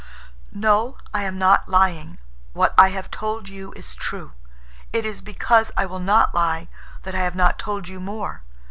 "No, I am not lying. What I have told you is true. It is because I will not lie that I have not told you more.